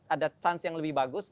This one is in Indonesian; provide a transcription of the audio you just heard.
ada chance yang lebih bagus